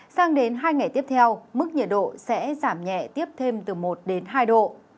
sang đến hai ngày tiếp theo mức nhiệt độ sẽ giảm nhẹ tiếp thêm từ một đến hai độ